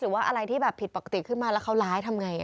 หรือว่าอะไรที่แบบผิดปกติขึ้นมาแล้วเขาร้ายทำไง